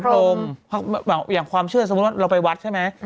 พรมอย่างความเชื่อสมมุติว่าเราไปวัดใช่ไหม